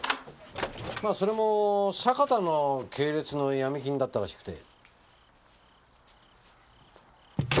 それも坂田の系列のヤミ金だったらしくて。